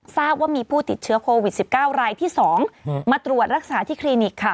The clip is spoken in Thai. ทราบว่ามีผู้ติดเชื้อโควิด๑๙รายที่๒มาตรวจรักษาที่คลินิกค่ะ